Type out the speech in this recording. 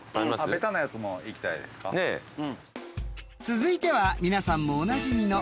［続いては皆さんもおなじみの］